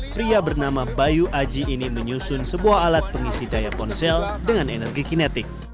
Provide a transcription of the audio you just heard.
pria bernama bayu aji ini menyusun sebuah alat pengisi daya ponsel dengan energi kinetik